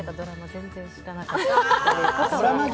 全然知らなかった。